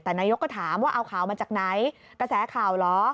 แต่นายกก็ถามว่าเอาข่าวมาจากไหนกระแสข่าวเหรอ